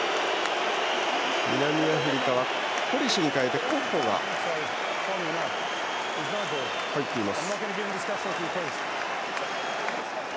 南アフリカはコリシに代えてコッホが入っています。